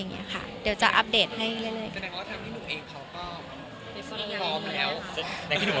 แสดงว่าพี่หนุ่มเองเขาก็พร้อมแล้ว